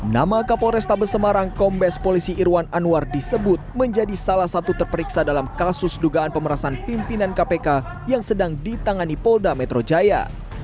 nama kapolres tabes semarang kombes polisi irwan anwar disebut menjadi salah satu terperiksa dalam kasus dugaan pemerasan pimpinan kpk yang sedang ditangani polda metro jaya